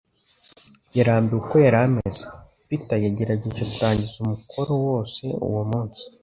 Yarambiwe uko yari ameze, Peter yagerageje kurangiza umukoro wose uwo munsi